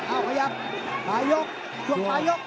เอ้าประยักษ์ปลายยกปลายยก